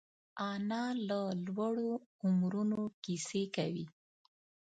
انا له لوړو عمرونو کیسې کوي